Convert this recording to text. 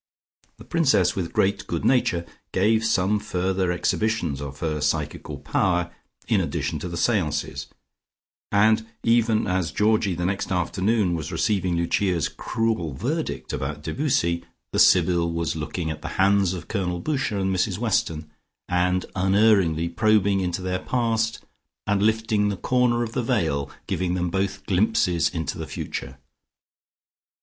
The Princess with great good nature, gave some further exhibitions of her psychical power in addition to the seances, and even as Georgie the next afternoon was receiving Lucia's cruel verdict about Debussy, the Sybil was looking at the hands of Colonel Boucher and Mrs Weston, and unerringly probing into their past, and lifting the corner of the veil, giving them both glimpses into the future.